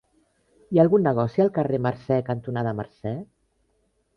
Hi ha algun negoci al carrer Mercè cantonada Mercè?